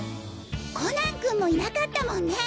コナン君もいなかったもんね！